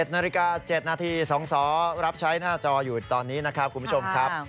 ๑นาฬิกา๗นาที๒สอรับใช้หน้าจออยู่ตอนนี้นะครับคุณผู้ชมครับ